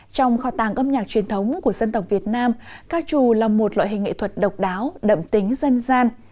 trong kho tàng âm nhạc truyền thống của dân tộc việt nam ca trù là một loại hình nghệ thuật độc đáo đậm tính dân gian